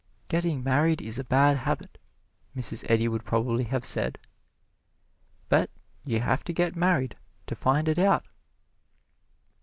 Getting married is a bad habit, Mrs. Eddy would probably have said, but you have to get married to find it out.